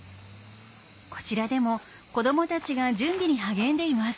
こちらでも子どもたちが準備に励んでいます。